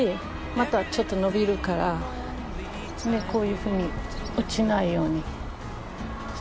まだちょっと伸びるからこういうふうに落ちないようにしてます。